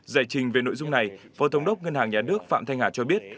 giải trình về nội dung này phó thống đốc ngân hàng nhà nước phạm thanh hà cho biết